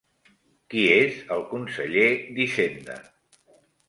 Qui és el conseller d'Hisenda?